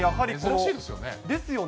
珍しいですよね。